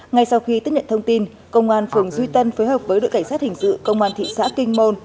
ngay sau khi tiếp nhận thông tin công an phường duy tân phối hợp với đội cảnh sát hình sự công an thị xã kinh môn